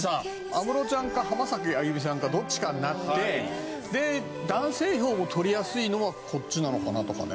安室ちゃんか浜崎あゆみさんかどっちかになってで男性票も取りやすいのはこっちなのかな？とかね。